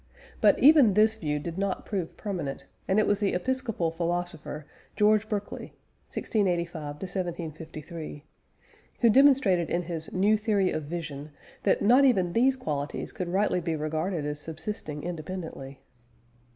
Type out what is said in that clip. But even this view did not prove permanent, and it was the episcopal philosopher, George Berkeley (1685 1753) who demonstrated in his New Theory of Vision that not even these qualities could rightly be regarded as subsisting independently.